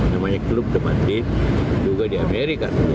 namanya club de madrid juga di amerika